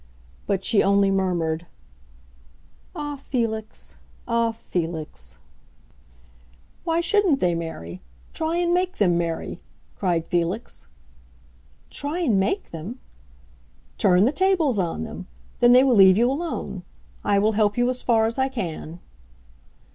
But she only murmured, "Ah, Felix! ah, Felix!" "Why shouldn't they marry? Try and make them marry!" cried Felix. "Try and make them?" "Turn the tables on them. Then they will leave you alone. I will help you as far as I can."